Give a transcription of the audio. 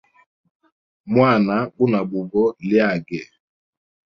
Mwana guna bugo lyage.